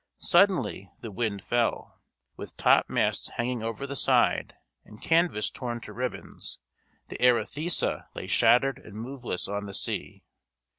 Suddenly the wind fell. With topmasts hanging over the side, and canvas torn to ribbons, the Arethusa lay shattered and moveless on the sea.